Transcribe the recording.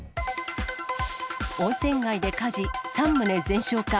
温泉街で火事、３棟全焼か。